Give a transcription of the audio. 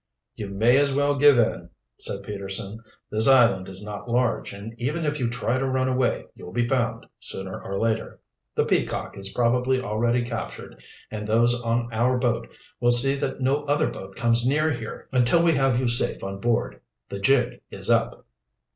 "You may as well give in," said Peterson. "This island is not large, and even if you try to run away you'll be found, sooner or later. The Peacock is probably already captured, and those on our boat will see that no other boat comes near here until we have you safe on board. The jig is up."